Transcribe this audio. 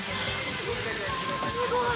すごい。